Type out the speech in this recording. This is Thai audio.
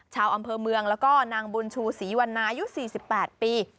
ชาวอำเภอเมืองแล้วก็นางบุญชูศรีวันนายุ๔๘ปี